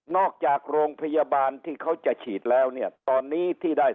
จากโรงพยาบาลที่เขาจะฉีดแล้วเนี่ยตอนนี้ที่ได้